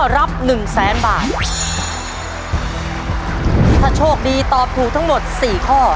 รับหนึ่งแสนบาทถ้าโชคดีตอบถูกทั้งหมดสี่ข้อ